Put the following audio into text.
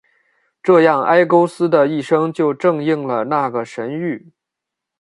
这样埃勾斯的一生就正应了那个神谕。